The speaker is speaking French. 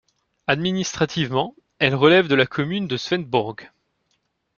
Administrativement, elle relève de la commune de Svendborg.